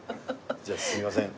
じゃあすいません。